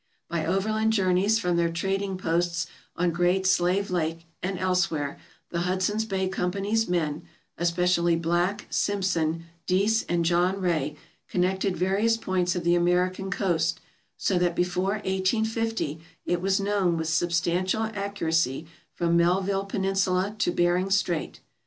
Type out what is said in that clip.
By overland journeys from their trading posts on Great Slave Lake and elsewhere, the Hudson's Bay Company's men, especially Back, Simpson, Dease, and John Rae, connected various points of the American coast, so that before 1850 it was known with substantial accuracy from Melville Peninsula to Bering Strait.